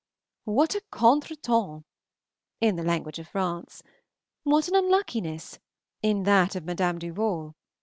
What a contretemps! in the language of France. What an unluckiness! in that of Madame Duval.